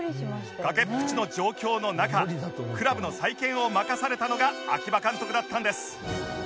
崖っぷちの状況の中クラブの再建を任されたのが秋葉監督だったんです